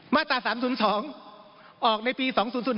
มาตรา๓๐๒ออกในปี๒๐๐๔